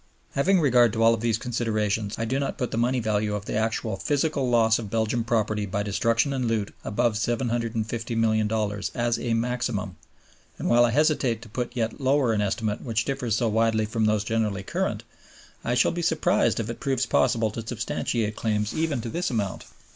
Having regard to all these considerations, I do not put the money value of the actual physical loss of Belgian property by destruction and loot above $750,000,000 as a maximum, and while I hesitate to put yet lower an estimate which differs so widely from those generally current, I shall be surprised if it proves possible to substantiate claims even to this amount.